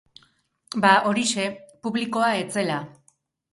Ba horixe, publikoa ez zela.